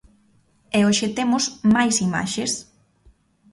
E hoxe temos máis imaxes.